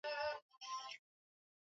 Pamoja na wapagazi sabini na nne